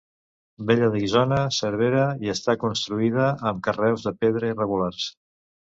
Vella de Guissona- Cervera i està construïda amb carreus de pedra irregulars.